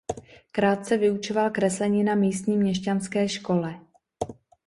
Krátce vyučoval kreslení na místní měšťanské škole.